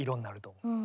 うん。